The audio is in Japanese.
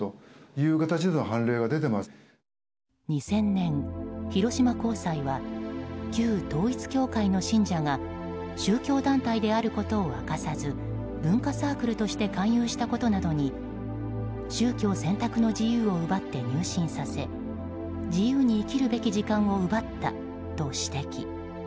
２０００年、広島高裁は旧統一教会の信者が宗教団体であることを明かさず文化サークルとして勧誘したことなどに宗教選択の自由を奪って入信させ自由に生きるべき時間を奪ったと指摘。